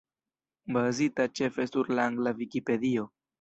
Bazita ĉefe sur la angla Vikipedio.